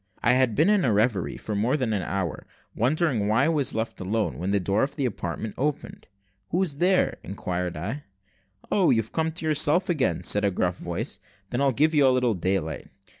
I had been in a reverie for more than an hour, wondering why I was left alone, when the door of the apartment opened. "Who is there?" inquired I. "Oh! you've come to yourself again," said a gruff voice; "then I'll give you a little daylight."